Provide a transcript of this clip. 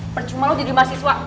percuma lo jadi mahasiswa